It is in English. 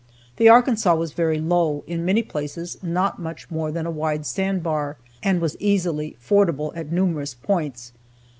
The Arkansas was very low, in many places not much more than a wide sandbar, and was easily fordable at numerous points.